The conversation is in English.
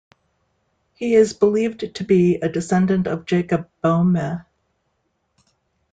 He is believed to be a descendent of Jakob Boehme.